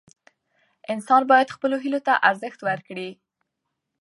انسان باید خپلو هیلو ته ارزښت ورکړي.